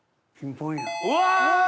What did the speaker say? うわ！